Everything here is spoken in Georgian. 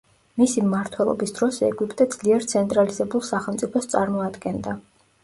მისი მმართველობის დროს ეგვიპტე ძლიერ, ცენტრალიზებულ სახელმწიფოს წარმოადგენდა.